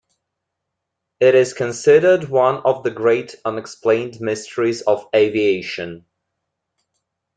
It is considered one of the great unexplained mysteries of aviation.